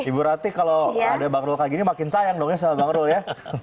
ibu rati kalau ada bang rul kayak gini makin sayang dong ya sama bang rul ya